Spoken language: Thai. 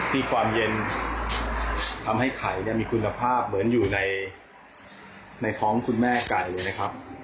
ความเย็นทำให้ไข่เนี่ยมีคุณภาพเหมือนอยู่ในท้องคุณแม่ไก่เลยนะครับ